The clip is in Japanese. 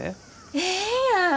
ええやん！